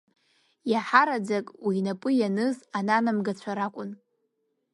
Аиҳараӡак уи инапы ианыз ананамгацәа ракәын.